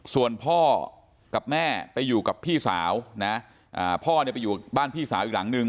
ส่วนพ่อกับแม่ไปอยู่กับพี่สาวนะพ่อเนี่ยไปอยู่บ้านพี่สาวอีกหลังนึง